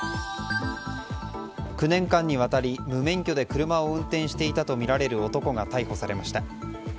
９年間にわたり無免許で車を運転していたとみられる男が逮捕されました。